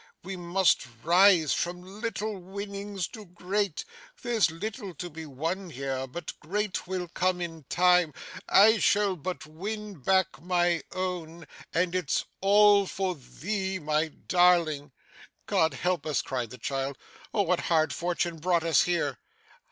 We must rise from little winnings to great. There's little to be won here; but great will come in time. I shall but win back my own, and it's all for thee, my darling.' 'God help us!' cried the child. 'Oh! what hard fortune brought us here?